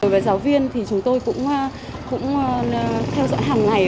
với giáo viên thì chúng tôi cũng theo dõi hàng ngày